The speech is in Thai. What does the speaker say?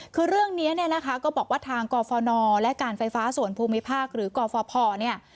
คือเรื่องนี้เนี่ยนะคะก็บอกว่าทางกฟนและการไฟฟ้าส่วนภูมิภาคหรือกฟภเนี่ย